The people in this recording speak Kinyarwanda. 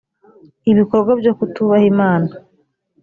ibikorwa byo kutubaha imana